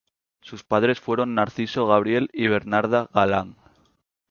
Sus padres fueron Narciso Gabriel y Bernarda Galán.